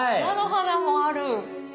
菜の花もある！